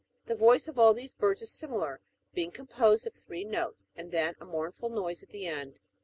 The voice of all these birds is similar, being composed of three notes, and then a mournful noise at the end.